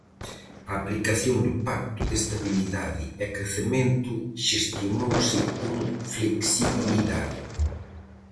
A aplicación do Pacto de Estabilidade e Crecemento xestionouse con flexibilidade.